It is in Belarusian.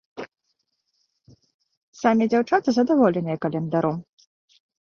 Самі дзяўчаты задаволеныя календаром.